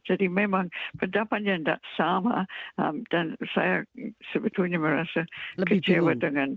jadi memang pendampingan dan sama dan saya sebetulnya merasa kecewa dengan